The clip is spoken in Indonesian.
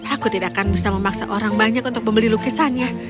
aku tidak akan bisa memaksa orang banyak untuk membeli lukisannya